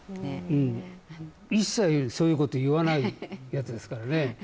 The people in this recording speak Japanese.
うん一切そういうこと言わないやつですからね